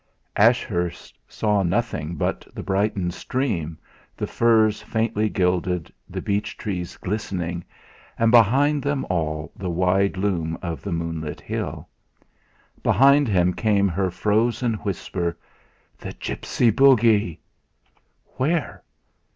Ashurst saw nothing but the brightened stream, the furze faintly gilded, the beech trees glistening, and behind them all the wide loom of the moonlit hill. Behind him came her frozen whisper: "The gipsy bogie!" "Where?"